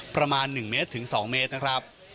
ประมาณ๑เมตรถึง๒เมตรนะครับ